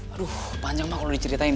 aduh panjang mah kalau diceritain